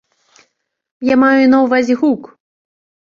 Я маю на ўвазе гук.